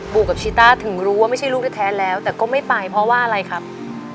ูกับชีต้าถึงรู้ว่าไม่ใช่ลูกแท้แล้วแต่ก็ไม่ไปเพราะว่าอะไรครับ